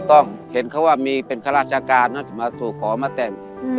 แล้วก็ต่อไปบอกว่าเราคิดถึงนะ